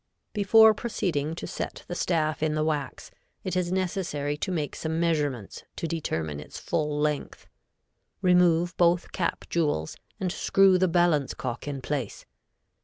_] Before proceeding to set the staff in the wax, it is necessary to make some measurements to determine its full length. Remove both cap jewels and screw the balance cock in place.